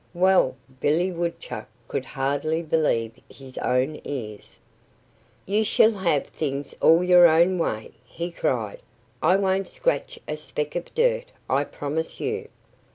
Well, Billy Woodchuck could hardly believe his own ears. "You shall have things all your own way!" he cried. "I won't scratch a speck of dirt, I promise you!"